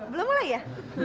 belum mulai ya